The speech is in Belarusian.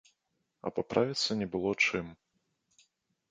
А паправіцца не было чым.